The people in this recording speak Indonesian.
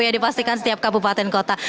yang dipastikan setiap kabupaten kota